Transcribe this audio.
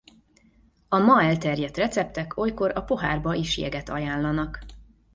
A ma elterjedt receptek olykor a pohárba is jeget ajánlanak.